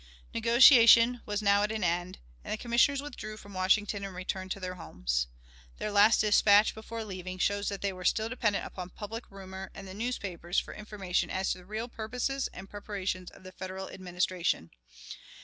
Negotiation was now at an end, and the Commissioners withdrew from Washington and returned to their homes. Their last dispatch, before leaving, shows that they were still dependent upon public rumor and the newspapers for information as to the real purposes and preparations of the Federal Administration.